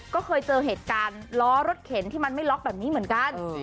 ก็เคยเจอเหตุการณ์ล้อรถเข็นที่มันไม่ล็อกแบบนี้เหมือนกัน